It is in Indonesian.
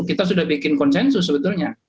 kita sudah bikin konsensus sebetulnya